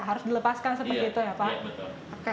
harus dilepaskan seperti itu ya pak